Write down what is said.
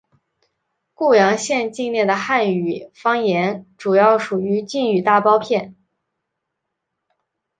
固阳县境内的汉语方言主要属于晋语大包片。